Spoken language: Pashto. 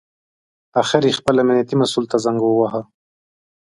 اخر یې خپل امنیتي مسوول ته زنګ وواهه.